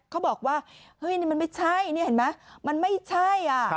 เขาบอกว่าเฮ้ยนี่มันไม่ใช่นี่เห็นไหมมันไม่ใช่อ่ะ